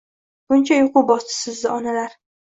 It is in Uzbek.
Muncha uyqu bosdi sizi, onalar